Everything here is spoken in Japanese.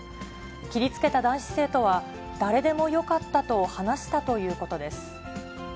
切りつけた男子生徒は、誰でもよかったと話したということです。